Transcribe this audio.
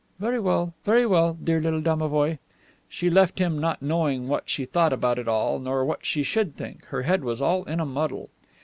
"Very well, very well, dear little domovoi." She left him, not knowing what she thought about it all, nor what she should think her head was all in a muddle.